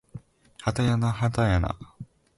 はたやなはやはた